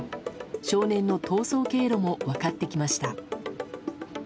少年の逃走経路も分かってきました。